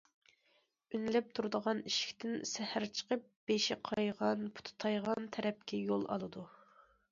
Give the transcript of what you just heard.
ئۈنلەپ تۇرىدىغان ئىشىكتىن سەھەر چىقىپ، بېشى قايغان، پۇتى تايغان تەرەپكە يول ئالىدۇ.